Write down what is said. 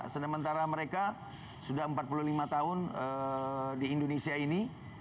sementara mereka sudah empat puluh lima tahun di indonesia ini